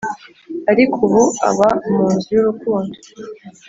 ariko ubu aba mu nzu y'urukundo,